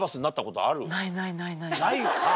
ないよな？